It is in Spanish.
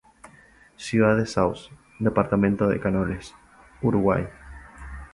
Ciudad de Sauce, Departamento de Canelones, Uruguay.